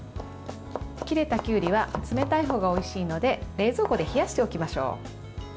切れたきゅうりは冷たい方がおいしいので冷蔵庫で冷やしておきましょう。